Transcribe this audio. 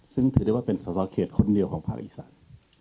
ซึ่งถือได้ว่าเป็นสอสอเขตคนเดียวของภาคอีสาน